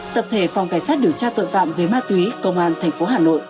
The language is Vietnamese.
tập thể phòng cảnh sát điều tra tội phạm về ma túy công an tp hà nội